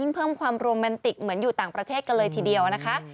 เพิ่มความโรแมนติกเหมือนอยู่ต่างประเทศกันเลยทีเดียวนะคะ